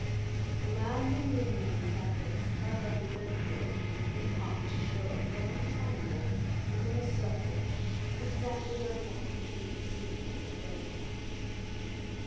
The man whom we had known as Douglas turned up his own coat and cuff to show a brown triangle within a circle exactly like that which we had seen upon the dead man.